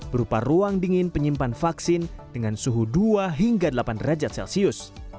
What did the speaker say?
berupa ruang dingin penyimpan vaksin dengan suhu dua hingga delapan derajat celcius